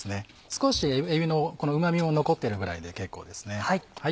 少しえびのうま味も残ってるぐらいで結構です。